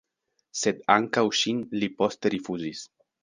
Sed ankaŭ ŝin li poste rifuzis.